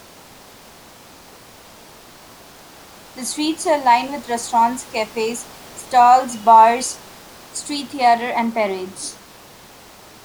The streets are lined with restaurants, cafes, stalls, bars, street theater and parades.